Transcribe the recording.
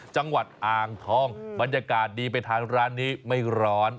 จังหวัดอ่างทองบรรยากาศดีไปทานร้านนี้ไม่ร้อน